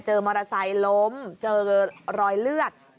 มอเตอร์ไซค์ล้มเจอรอยเลือด